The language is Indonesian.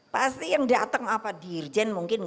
pasti yang datang apa dirjen mungkin